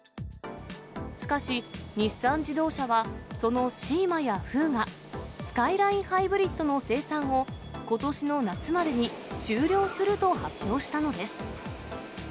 しかし、日産自動車はそのシーマやフーガ、スカイラインハイブリッドの生産をことしの夏までに終了すると発表したのです。